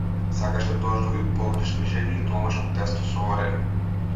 Сакаше дождови, погрешни жени и домашно песто со ореви.